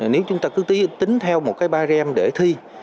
nếu chúng ta cứ tính theo một cái